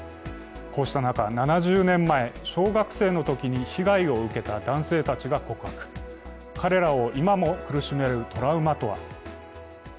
こうした中、７０年前、小学生のときに被害を受けた男性たちが告白、彼らを今も苦しめるトラウマとは。